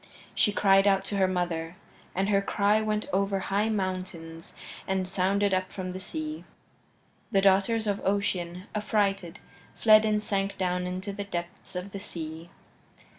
She cried out to her mother, and her cry went over high mountains and sounded up from the sea. The daughters of Ocean, affrighted, fled and sank down into the depths of the sea.